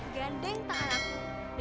gandeng tak alami